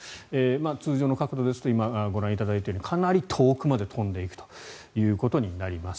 通常の角度ですと今、ご覧いただいたようにかなり遠くまで飛んでいくことになります。